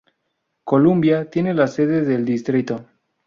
Columbia tiene la sede del distrito.